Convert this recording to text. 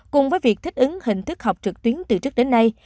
cùng với việc thích ứng hình thức học trực tuyến từ trước đến nay